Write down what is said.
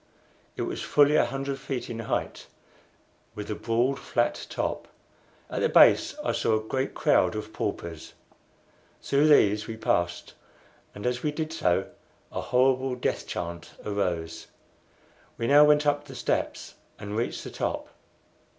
It was fully a hundred feet in height, with a broad flat top. At the base I saw a great crowd of paupers. Through these we passed, and as we did so a horrible death chant arose. We now went up the steps and reached the top.